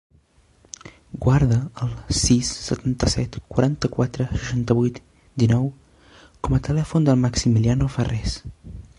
Guarda el sis, setanta-set, quaranta-quatre, seixanta-vuit, dinou com a telèfon del Maximiliano Farres.